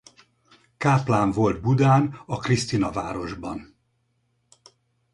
Káplán volt Budán a Krisztinavárosban.